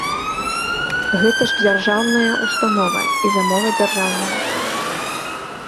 Гэта ж дзяржаўная ўстанова і замова дзяржаўная.